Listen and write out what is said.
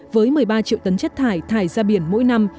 với một mươi ba triệu tấn chất thải thải ra biển mỗi năm